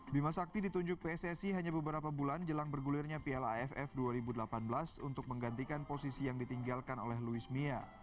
bima sakti ditunjuk pssi hanya beberapa bulan jelang bergulirnya piala aff dua ribu delapan belas untuk menggantikan posisi yang ditinggalkan oleh luis mia